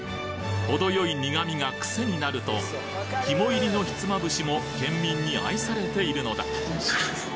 程よい苦みが癖になると、肝入りのひつまぶしも県民に愛されているのだ。